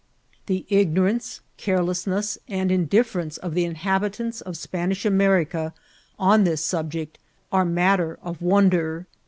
The ignorance, careleasness, and indifference of the inhabitants of Spanish America on this sulq'ect are mat* ter of wonder.